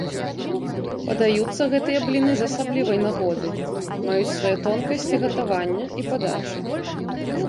Падаюцца гэтыя бліны з асаблівай нагоды, маюць свае тонкасці гатавання і падачы.